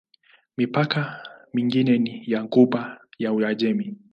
Mipaka mingine ni ya Ghuba ya Uajemi.